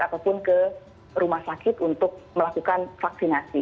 ataupun ke rumah sakit untuk melakukan vaksinasi